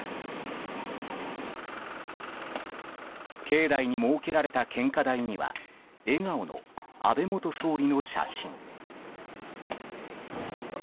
境内に設けられた献花台には笑顔の安倍元総理の写真。